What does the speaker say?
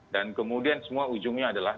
dan kemudian semua ujungnya adalah